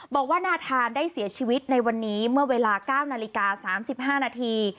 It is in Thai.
บอกว่านาธานได้เสียชีวิตในวันนี้เมื่อเวลา๙นาฬิกา๓๕นาที